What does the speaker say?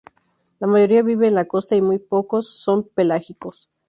La mayoría viven en la costa y muy pocos son pelágicos.